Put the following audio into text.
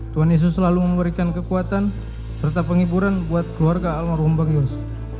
tuan iso selalu memberikan kekuatan serta penghiburan buat keluarga almarhum bang yos